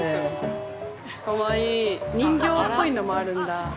人形っぽいのもあるんだ。